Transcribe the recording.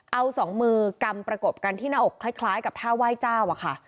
เอาสองมือกำประกบกันที่หน้าอกคล้ายกับท่าไหว้เจ้าอะค่ะ